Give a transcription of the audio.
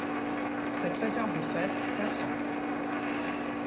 Cette réserve faite, passons.